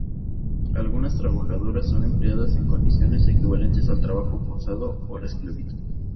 Algunas trabajadoras son empleadas en condiciones equivalentes al trabajo forzado o la esclavitud.